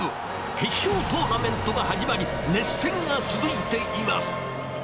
決勝トーナメントが始まり、熱戦が続いています。